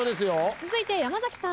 続いて山崎さん。